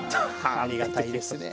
ありがたいですね。